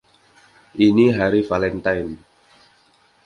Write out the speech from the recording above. Ini Hari Valentine!